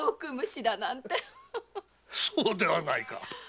そうではないか。